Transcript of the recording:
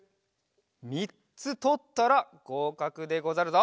みっつとったらごうかくでござるぞ。